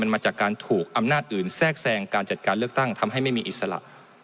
มาจากการถูกอำนาจอื่นแทรกแทรงการจัดการเลือกตั้งทำให้ไม่มีอิสระ